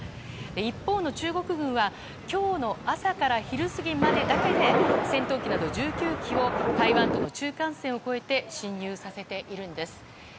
一方の中国軍は今日の朝から昼過ぎまでだけで戦闘機など１９機を台湾との中間線を越えて侵入させているんです。